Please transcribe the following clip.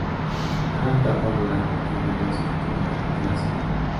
Cada tapa dura contiene doce historias de la serie.